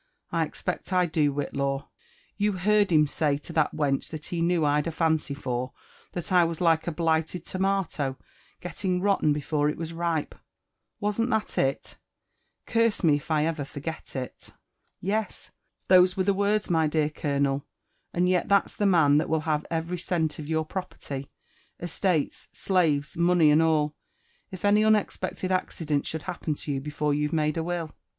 *' I expect I do, Whitlaw. You JONATHAN JEFFERSON WHITLAW 313 heard him say to that wench that he knew Fd a fancy for, that I was like a blighted tomato, gelling roUen before it was ripe,> — ^wasn't that it ?, Curse me if ever I forget it !"'' Yes, Jhose were the words, my^dear colonel : and yet that's the man that will have every cent of your pro|ierty, estates, slaves, money and all, if any unexpected accident should happen to you before you've made a will."